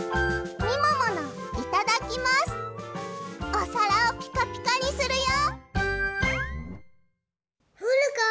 おさらをピカピカにするよ！